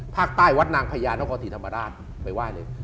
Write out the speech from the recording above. ภาคใต้วัดนางพญานครศรีธรรมราชไปไหว้เลย